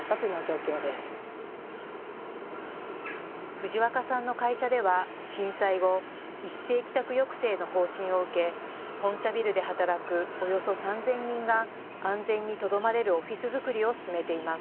藤若さんの会社では震災後、一斉帰宅抑制の方針を受け本社ビルで働くおよそ３０００人が安全にとどまれるオフィス作りを進めています。